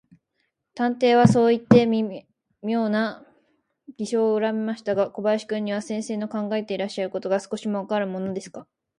探偵はそういって、みょうな微笑をうかべましたが、小林君には、先生の考えていらっしゃることが、少しもわからぬものですから、